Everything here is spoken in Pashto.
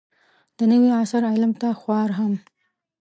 د نوي عصر علم ته خوار هم